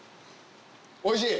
おいしい？